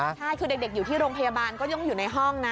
ใช่คือเด็กอยู่ที่โรงพยาบาลก็ต้องอยู่ในห้องนะ